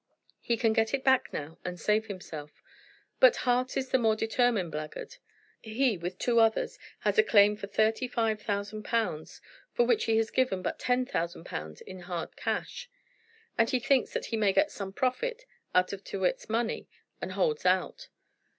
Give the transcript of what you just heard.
He can get it back now, and save himself. But Hart was the more determined blackguard. He, with two others, has a claim for thirty five thousand pounds, for which he has given but ten thousand pounds in hard cash, and he thinks that he may get some profit out of Tyrrwhit's money, and holds out."